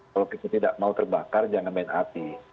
kalau kita tidak mau terbakar jangan main api